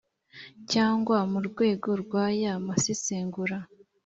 cyangwa mu rwego rw aya masesengura